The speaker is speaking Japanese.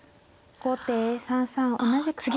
後手３三同じく金。